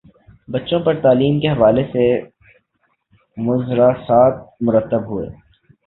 بچوں پر تعلیم کے حوالے سے مضراثرات مرتب ہوئے